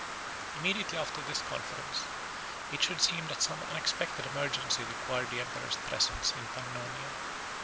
] Immediately after this conference, it should seem that some unexpected emergency required the emperor's presence in Pannonia.